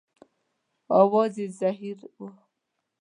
اواز یې زهیر و.